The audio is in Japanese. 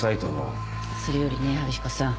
それよりね春彦さん。